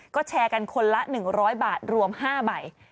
ก็แชร์กันคนละ๑๐๐บาทรวม๕ใบ